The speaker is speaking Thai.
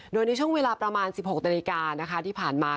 โดยในช่วงเวลาประมาณ๑๖นาฬิกานะคะที่ผ่านมา